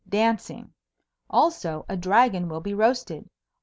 Dancing; also a Dragon will be roasted.